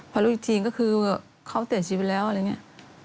พอรู้จริงก็คือเขาเปลี่ยนชีวิตแล้วอะไรเงี้ย